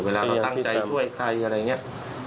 เวลาเราตั้งใจช่วยใครอะไรอย่างนี้